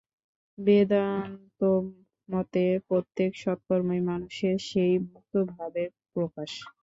বেদান্তমতে প্রত্যেক সৎকর্মই মানুষের সেই মুক্তভাবের প্রকাশ।